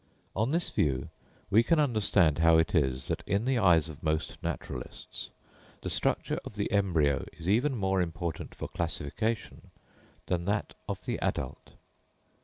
On this view we can understand how it is that, in the eyes of most naturalists, the structure of the embryo is even more important for classification than that of the adult.